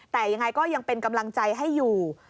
แต่ยังไงก็ยังเป็นกำลังใจให้อยู่